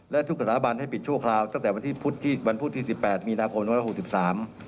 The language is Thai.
และทุกสถาบันให้ปิดชั่วคราวตั้งแต่วันพุธที่๑๘มีนาคม๒๐๒๓